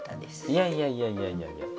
いやいやいやいやいや。